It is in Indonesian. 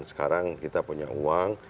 sekarang kita punya uang